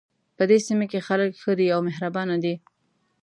په دې سیمه کې خلک ښه دي او مهربانه دي